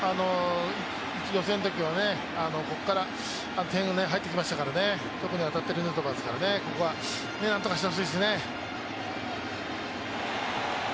予選のときはここから点が入ってきましたからね、特に当たっているヌートバーですからここは何とかしてほしいですね。